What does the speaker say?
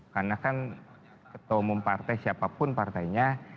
karena kan ketua umum partai siapapun partainya